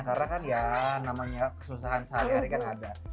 karena kan ya namanya kesusahan sehari hari kan ada